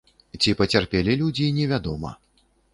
Ці пацярпелі людзі, невядома.